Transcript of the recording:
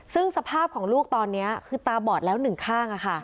ซึ่งสภาพของลูกตอนนี้คือตาบอดแล้วหนึ่งข้าง